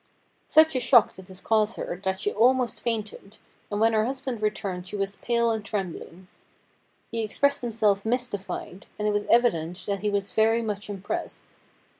Such a shock did this cause her that she THE BLOOD DRIPS 211 almost fainted, and when her husband returned she was pale and trembling. He expressed himself mystified, and it was evident that he was very much impressed.